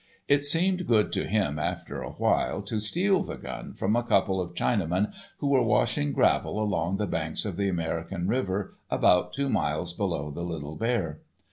It seemed good to him after a while to steal the gun from a couple of Chinamen who were washing gravel along the banks of the American River about two miles below the Little Bear.